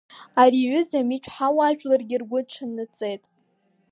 Ари аҩыза амитә ҳауаажәларгьы ргәы рҽаннаҵеит.